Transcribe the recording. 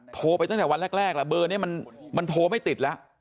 โทรไปตั้งแต่วันแรกแล้วเบอร์นี้มันโทรไม่ติดแล้ว